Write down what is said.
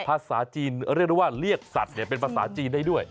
ภาษาจีนเรียกได้ว่าเรียกสัตว์เป็นภาษาจีนได้ด้วย